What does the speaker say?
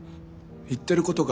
言ってることが。